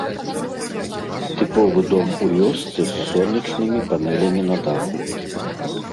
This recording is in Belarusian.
Тыповы дом у вёсцы з сонечнымі панэлямі на даху.